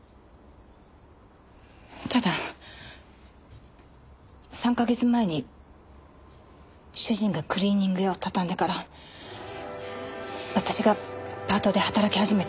ただ３か月前に主人がクリーニング屋をたたんでから私がパートで働き始めたんです。